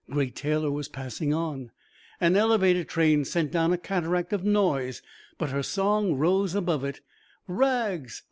Great Taylor was passing on. An elevated train sent down a cataract of noise, but her song rose above it: "Rags